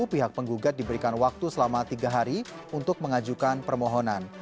pihak penggugat diberikan waktu selama tiga hari untuk mengajukan permohonan